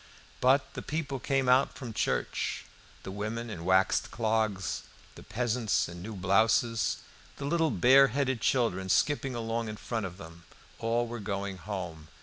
But the people came out from church. The women in waxed clogs, the peasants in new blouses, the little bare headed children skipping along in front of them, all were going home.